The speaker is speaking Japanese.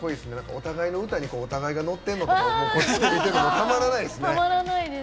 お互いの歌にお互いがノッてんのとか見ててたまらないですね。